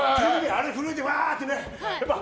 あれ震えて、わーってね。